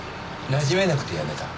なじめなくて辞めた？